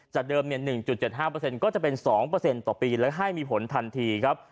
จากเดิมเนี่ย๑๗๕ก็จะเป็น๒ต่อปีแล้วให้มีผลทันทีครับ